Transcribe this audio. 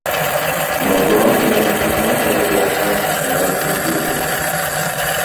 Nogiron erini ketmon chopib boqqan ayol oʻzbegim...